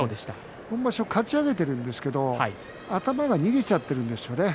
今場所かち上げているんですけど頭が逃げちゃっているんですよね。